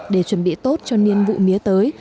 để chuẩn bị tốt cho niên vụ mía tới